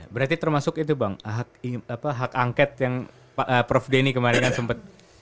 berarti termasuk itu bang hak angket yang prof denny kemarin kan sempat